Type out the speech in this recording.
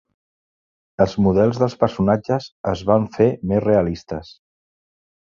Els models dels personatges es van fer més realistes.